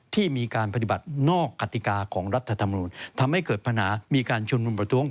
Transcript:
ที่มีการปฏิบัตินอกกติกาของรัฐธรรมนูลทำให้เกิดปัญหามีการชุมนุมประท้วง